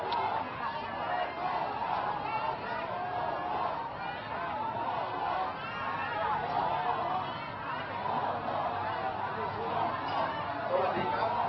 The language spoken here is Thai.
เชียวดูตอนจากท่าใจเอง